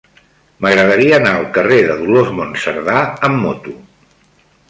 M'agradaria anar al carrer de Dolors Monserdà amb moto.